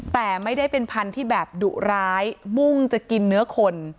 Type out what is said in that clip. แต่ไม่ได้เป็นพันธุ์ที่แบบดุร้ายมุ่งจะกินเนื้อคน